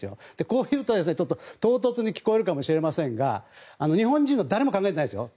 こう言うと唐突に聞こえるかもしれませんが日本人の誰も考えてないですよ